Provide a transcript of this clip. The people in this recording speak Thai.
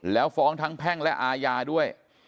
แล้วฟ้องทั้งแพ่งและอาญาด้วย